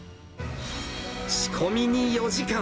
仕込みに４時間。